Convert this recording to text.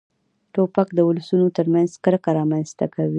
توپک د ولسونو تر منځ کرکه رامنځته کوي.